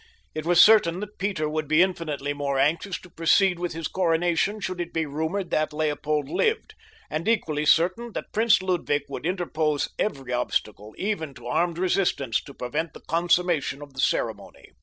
It was certain that Peter would be infinitely more anxious to proceed with his coronation should it be rumored that Leopold lived, and equally certain that Prince Ludwig would interpose every obstacle, even to armed resistance, to prevent the consummation of the ceremony.